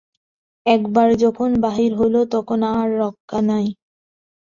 একবার যখন বাহির হইল তখন আর রক্ষা নাই।